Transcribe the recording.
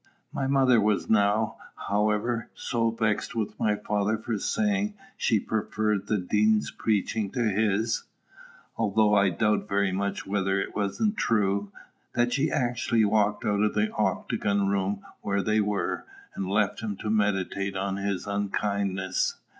[My mother was now, however, so vexed with my father for saying she preferred the Dean's preaching to his, although I doubt very much whether it wasn't true, that she actually walked out of the octagon room where they were, and left him to meditate on his unkindness.